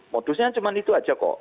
modusnya cuma itu aja kok